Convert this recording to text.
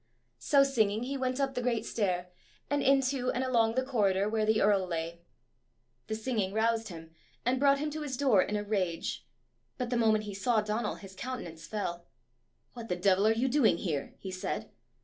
So singing he went up the great stair, and into and along the corridor where the earl lay. The singing roused him, and brought him to his door in a rage. But the moment he saw Donal his countenance fell. "What the devil are you doing here?" he said.